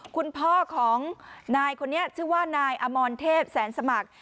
คุณพ่อของนายคนนี้ชื่อว่านายอมรเทพแสนสมัคร